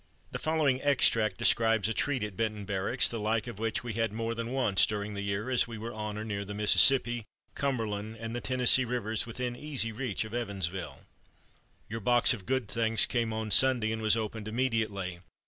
The following extract describes a treat at Benton Barracks, the like of which we had more than once during the year, as we were on or near the Mississippi, Cumberland, and Tennessee Rivers within easy reach of Evansville: "Your box of good things came on Sunday and was opened immediately.